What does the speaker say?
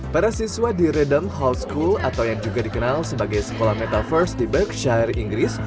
para siswa di redem hall school atau yang juga dikenal sebagai sekolah metaverse di berkshire inggris